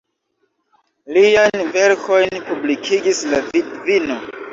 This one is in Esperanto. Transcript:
Liajn verkojn publikigis la vidvino.